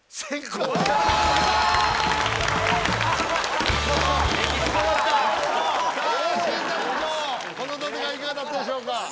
この戦いいかがだったでしょうか？